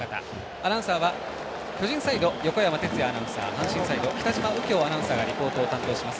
アナウンサーは、巨人サイド横山哲也アナウンサー阪神サイド北嶋右京アナウンサーがリポートを担当します。